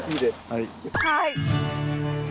はい。